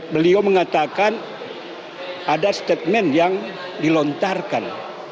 beliau mengatakan ada statement yang dilontarkan